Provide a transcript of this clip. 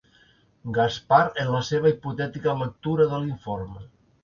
Gaspar en la seva hipotètica lectura de l'informe.